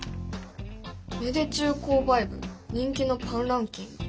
「芽出中購買部人気のパンランキング」？